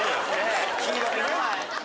黄色いね。